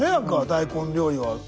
大根料理は。